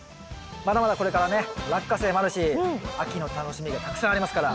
まだまだこれからねラッカセイもあるし秋の楽しみがたくさんありますから。